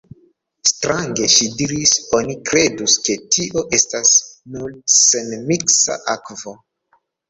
Strange, ŝi diris: oni kredus, ke tio estas nur senmiksa akvo.